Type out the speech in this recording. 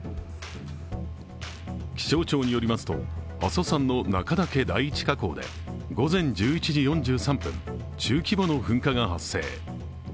気象庁によりますと、阿蘇山の中岳第一火口で午前１１時４３分、中規模の噴火が発生。